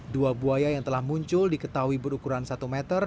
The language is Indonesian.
dua buaya yang telah muncul diketahui berukuran satu meter